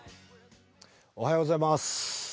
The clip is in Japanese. おはようございます。